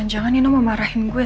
jangan jangan kamu mau marahin gue